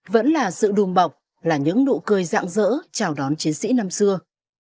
vẫn là sự đùm bọc là những nụ cười dạng dỡ chào đón chiến sĩ năm xưa